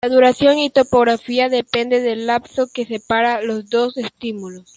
La duración y topografía depende del lapso que separa los dos estímulos.